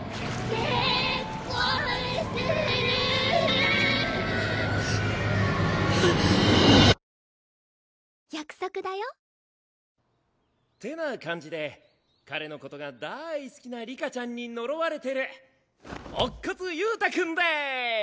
結婚するぅうっ約束だよってな感じで彼のことがだい好きな里香ちゃんに呪われてる乙骨憂太君です！